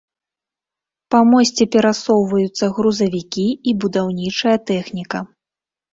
Па мосце перасоўваюцца грузавікі і будаўнічая тэхніка.